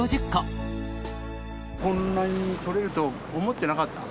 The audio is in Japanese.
こんなにとれると思ってなかった。